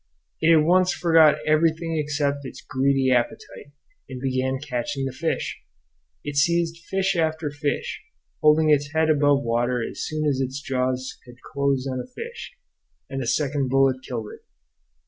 It at once forgot everything except its greedy appetite, and began catching the fish. It seized fish after fish, holding its head above water as soon as its jaws had closed on a fish; and a second bullet killed it.